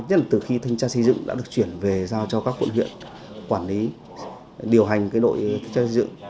nhất là từ khi thanh tra xây dựng đã được chuyển về giao cho các quận huyện quản lý điều hành đội xây dựng